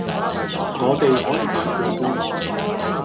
我哋可以買過杯